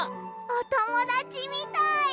おともだちみたい！